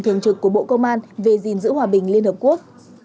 thường trực của bộ công an về gìn giữ hòa bình liên hợp quốc